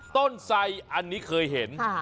ต้นไซร์อันนี้เคยเห็น